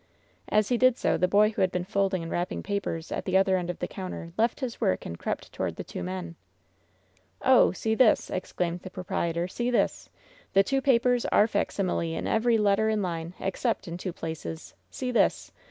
As he did so the boy who had been folding and wrap ping papers at the other end of the counter left his work and crept toward the two men. "Oh I see this !" exclaimed the proprietor — "see this ! The two papers are facsimile in every letter and line, except in two places ! See this